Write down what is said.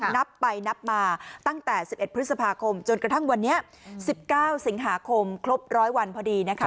นับไปนับมาตั้งแต่๑๑พฤษภาคมจนกระทั่งวันนี้๑๙สิงหาคมครบ๑๐๐วันพอดีนะคะ